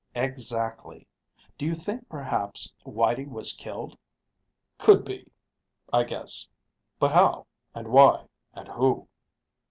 "Exactly. Do you think perhaps White was killed?" "Could be, I guess. But how, and why, and who?"